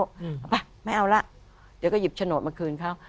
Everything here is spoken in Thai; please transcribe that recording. เอาไปไม่เอาละเดี๋ยวก็หยิบโฉนดมาคืนเขา